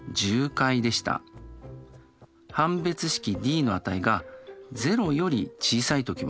判別式Ｄの値が０より小さい時は？